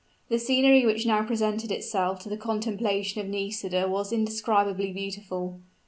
The scenery which now presented itself to the contemplation of Nisida was indescribably beautiful.